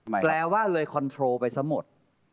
แปลว่าเลยคอนโทรลไปซะหมด